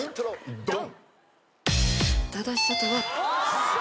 ドン！